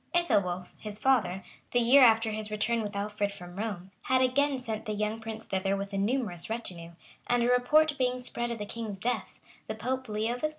Ethelwolf, his father, the year after his return with Alfred from Rome, had again sent the young prince thither with a numerous retinue; and a report being spread of the king's death, the Pope, Leo III.